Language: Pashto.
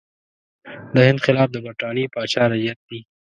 د هند خلک د برټانیې پاچا رعیت دي.